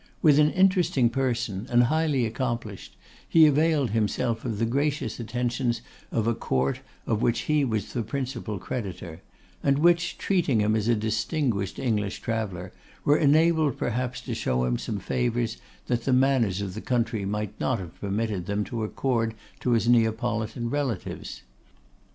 With an interesting person, and highly accomplished, he availed himself of the gracious attentions of a court of which he was principal creditor; and which, treating him as a distinguished English traveller, were enabled perhaps to show him some favours that the manners of the country might not have permitted them to accord to his Neapolitan relatives.